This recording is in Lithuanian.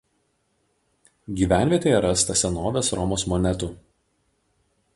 Gyvenvietėje rasta senovės Romos monetų.